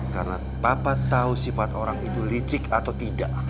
karena papa tahu sifat orang itu licik atau tidak